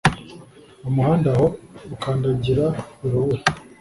umuhanda aho, ukandagira urubura